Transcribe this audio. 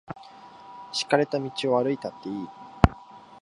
敷かれた道を歩いたっていい。